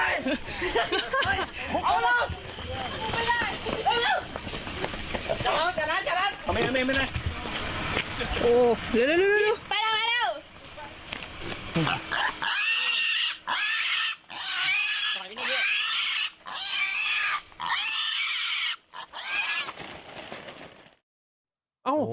อยากยาอยากยาอยากยา